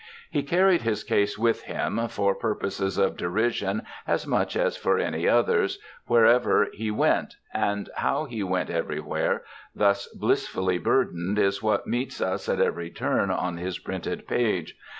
He carried his case with him, for purposes of derision as much as for any others, wherever he went, and how he went everywhere, thus blissfully burdened, is what meets us at every turn on his printed page.